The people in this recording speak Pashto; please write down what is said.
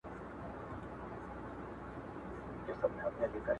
اوس نو زه څنګه